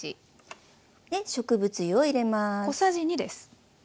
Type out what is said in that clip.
植物油を入れます。